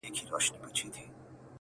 لا سر دي د نفرت د تور ښامار کوټلی نه دی,